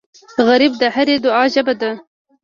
غریب د هرې دعا ژبه ده